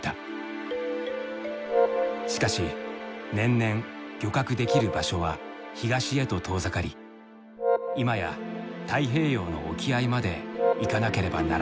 しかし年々漁獲できる場所は東へと遠ざかり今や太平洋の沖合まで行かなければならない。